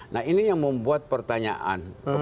nah ini yang membuat pertanyaan